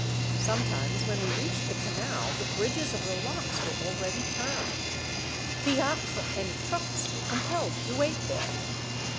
Sometimes when we reached the canal the bridges of the locks were already turned. Fiacres and trucks were com pelled to wait there.